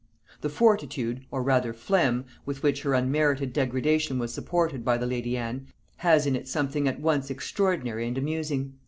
The fortitude, or rather phlegm, with which her unmerited degradation was supported by the lady Anne, has in it something at once extraordinary and amusing.